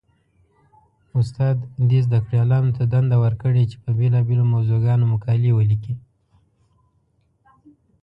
استاد دې زده کړيالانو ته دنده ورکړي؛ چې په بېلابېلو موضوعګانو مقالې وليکي.